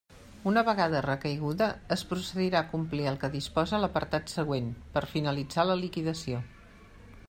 Una vegada recaiguda, es procedirà a complir el que disposa l'apartat següent, per a finalitzar la liquidació.